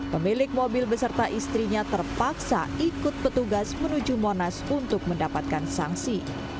pemilik mobil beserta istrinya terpaksa ikut petugas menuju monas untuk mendapatkan sanksi